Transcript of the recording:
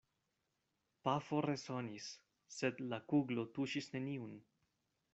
Pafo resonis; sed la kuglo tuŝis neniun.